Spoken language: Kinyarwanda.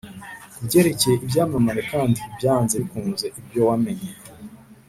kubyerekeye ibyamamare, kandi, byanze bikunze, ibyo wamenye